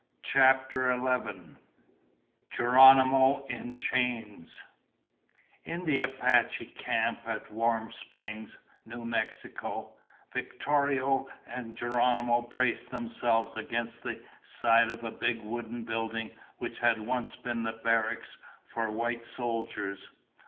CHAPTER ELEVEN Geronimo in Chains In the Apache camp at Warm Springs, New Mexico, Victorio and Geronimo braced themselves against the side of a big wooden building which had once been a barracks for white soldiers.